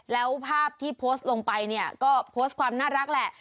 แล้วภาพที่โพสต์ลงไปเนี่ยก็โพสต์ความน่ารักแหละ